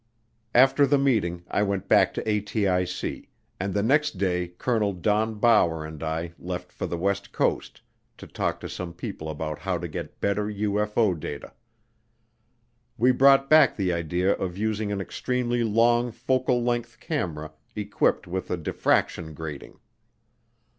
After the meeting I went back to ATIC, and the next day Colonel Don Bower and I left for the west coast to talk to some people about how to get better UFO data. We brought back the idea of using an extremely long focal length camera equipped with a diffraction grating.